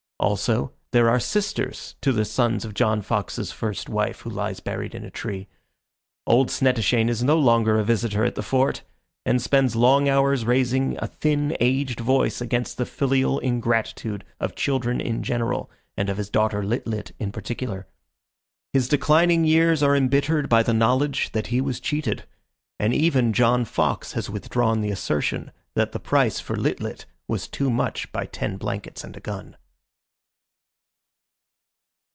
Also, there are sisters to the sons of John Fox's first wife who lies buried in a tree. Old Snettishane is no longer a visitor at the Fort, and spends long hours raising a thin, aged voice against the filial ingratitude of children in general and of his daughter Lit lit in particular. His declining years are embittered by the knowledge that he was cheated, and even John Fox has withdrawn the assertion that the price for Lit lit was too much by ten blankets and a gun.